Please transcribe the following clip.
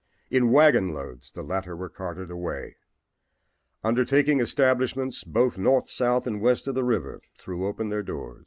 In wagon loads the latter were carted away. Undertaking establishments both north, south and west of the river threw open their doors.